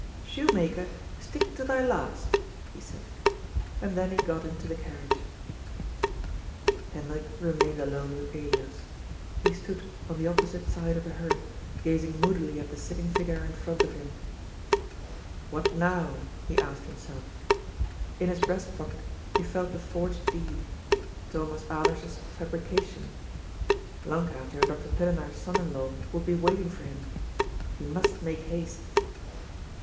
" Shoemaker, stick to thy last," he said. And then he got into the carriage. Hendrik remained alone with Elias. He stood, on the opposite side of the hearth, gazing moodily at the sitting figure in front of him. "What now?" he asked himself. In his breast pocket he felt the forged deed, Thomas SHOEMAKER, STICK TO THY LAST. 421 Alers's fabrication. Lankater and Dr. Pillenaar's8on<in law would be waiting for him. He must make haste.